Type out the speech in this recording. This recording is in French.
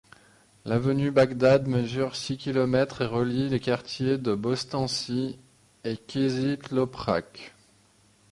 L'avenue Bagdad mesure six kilomètres et relie les quartiers de Bostancı et Kızıltoprak.